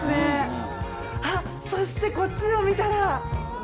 あっそしてこっちを見たら。